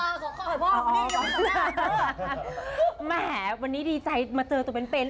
สวัสดีค่ะลาวก่อนนะคะไปละค่ะแหมวันนี้ดีใจมาเจอตัวเป็นเป็น